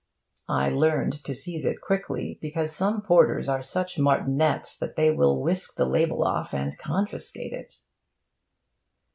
(I learned to seize it quickly, because some porters are such martinets that they will whisk the label off and confiscate it.)